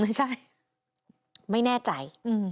ไม่ใช่ไม่แน่ใจ